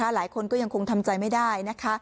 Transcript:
หลายคนก็ยังคงทำใจไม่ได้นะคะ